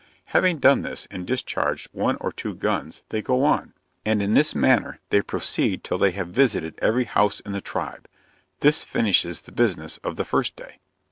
Having done this, and discharged one or two guns, they go on, and in this manner they proceed till they have visited every house in the tribe. This finishes the business of the first day.